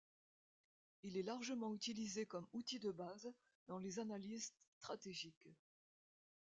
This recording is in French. Il est largement utilisé comme outil de base dans les analyses stratégiques.